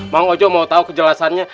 mang ojo mau tau kejelasannya